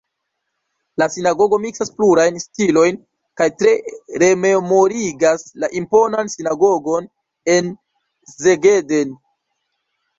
La sinagogo miksas plurajn stilojn kaj tre rememorigas la imponan sinagogon en Szeged.